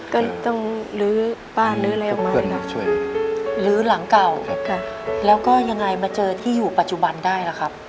ก็ต้องลื้อบ้านลื้ออะไรออกมาช่วยลื้อหลังเก่าแล้วก็ยังไงมาเจอที่อยู่ปัจจุบันได้ล่ะครับ